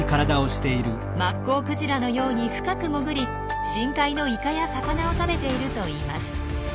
マッコウクジラのように深く潜り深海のイカや魚を食べているといいます。